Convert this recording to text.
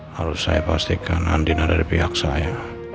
harus saya pastikan andina dari pihak saya